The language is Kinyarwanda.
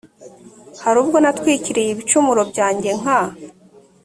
hari ubwo natwikiriye ibicumuro byanjye nka